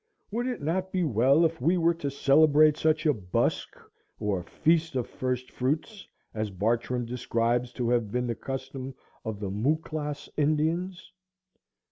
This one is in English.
Would it not be well if we were to celebrate such a "busk," or "feast of first fruits," as Bartram describes to have been the custom of the Mucclasse Indians?